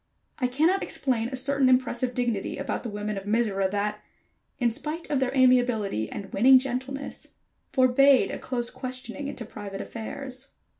I cannot explain a certain impressive dignity about the women of Mizora that, in spite of their amiability and winning gentleness, forbade a close questioning into private affairs.